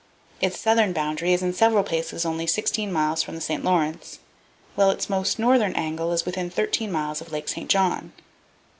Its southern boundary is in several places only 16 miles from the St. Lawrence, while its most northern angle is within 13 miles of Lake St. John.